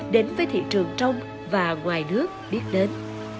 đến với thị trường trong và ngoài nước biết đến